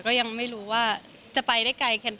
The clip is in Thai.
ก็ยังไม่รู้ว่าจะไปได้ไกลขนาดไหน